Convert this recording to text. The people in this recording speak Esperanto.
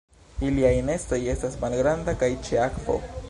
Iliaj nestoj estas malgranda kaj ĉe akvo.